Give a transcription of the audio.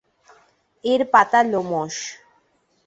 এর পাতা লোমশ।